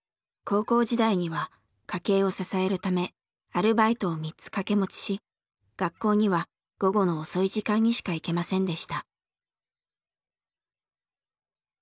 高校時代には家計を支えるためアルバイトを３つ掛け持ちし学校には午後の遅い時間にしか行けませんでした。